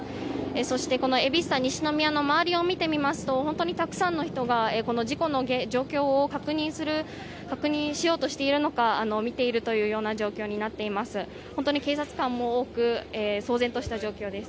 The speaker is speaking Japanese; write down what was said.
そして、このエビスタ西宮の周りを見てみますと本当にたくさんの人が事故の状況を確認しようとしているのか見ているというような状況になっています。